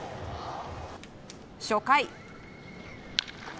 初回。